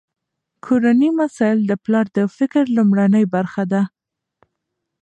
کورني مسایل د پلار د فکر لومړنۍ برخه ده.